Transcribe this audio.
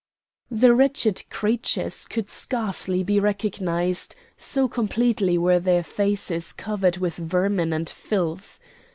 The wretched creatures could scarcely be recognised, so completely were their faces covered with vermin and filth.